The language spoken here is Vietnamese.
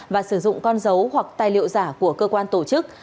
và sử dụng con dấu hoặc tài liệu giả của cơ quan tổ chức